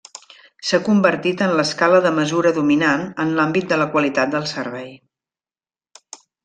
S'ha convertit en l'escala de mesura dominant en l'àmbit de la qualitat del servei.